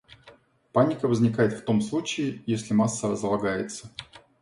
Паника возникает в том случае, если масса разлагается.